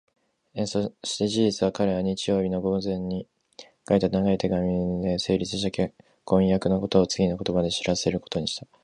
そして事実、彼はこの日曜日の午前に書いた長い手紙のなかで、成立した婚約のことをつぎのような言葉で知らせてやることにした。